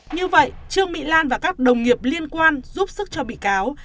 như vậy trương mỹ lan và các đồng nghiệp liên quan giúp sức cho bị cáo